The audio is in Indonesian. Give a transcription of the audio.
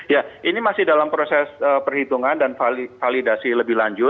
ya ini masih dalam proses perhitungan dan validasi lebih lanjut